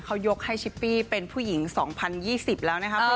เขายกให้ชิปปี้เป็นผู้หญิง๒๐๒๐แล้วนะครับ